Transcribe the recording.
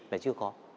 là chưa có